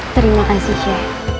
terima kasih shay